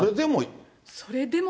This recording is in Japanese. それでも。